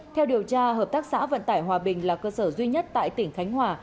theo điều tra hợp tác xã vận tải hòa bình là cơ sở duy nhất tại tỉnh khánh hòa